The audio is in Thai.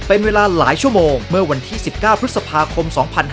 เป็นเวลาหลายชั่วโมงเมื่อวันที่๑๙พฤษภาคม๒๕๕๙